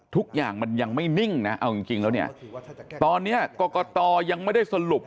ทุกอย่างมันยังไม่นิ่งนะเอาจริงแล้วเนี่ยตอนนี้กรกตยังไม่ได้สรุป